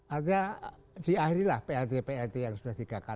artinya diakhirilah plt plt yang sudah tiga kali